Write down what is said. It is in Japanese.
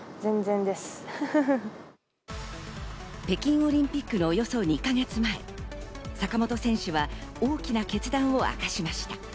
北京オリンピックのおよそ２か月前、坂本選手は大きな決断を明かしました。